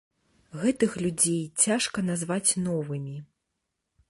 Гэтых людзей цяжка назваць новымі.